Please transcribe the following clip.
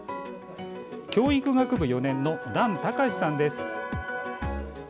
教育学部４年の段卓志さんです。